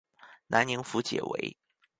南宁府解围。